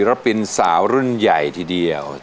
รับเป็นสาวรุ่นใหญ่ทีเดียว